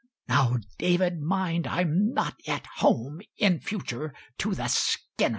(Now, David, mind I'm not at home In future to the Skinners!")